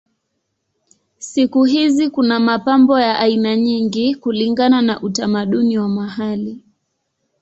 Siku hizi kuna mapambo ya aina nyingi kulingana na utamaduni wa mahali.